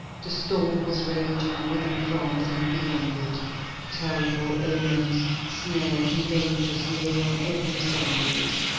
The storm was raging within France and beyond it. Terrible omens, snares, and dangers lay on every side.